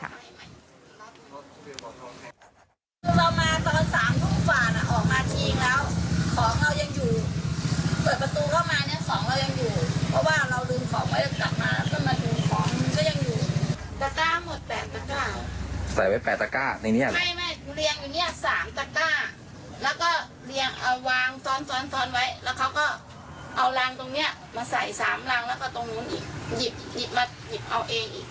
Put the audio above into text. เอารางตรงเนี้ยมาใส่๓รางแล้วก็ตรงนู้นอีกหยิบเอาเองอีก